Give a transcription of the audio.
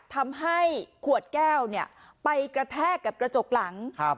ทำให้ขวดแก้วเนี่ยไปกระแทกกับกระจกหลัง